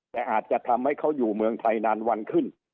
แต่อาจจะทำให้เขาอยู่เมืองไทยนานวันขึ้น